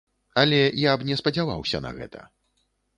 Але я б не спадзяваўся на гэта.